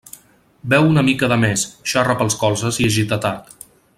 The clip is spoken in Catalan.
Beu una mica de més, xarra pels colzes i es gita tard.